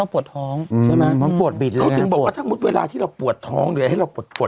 พี่นางเขากินยาม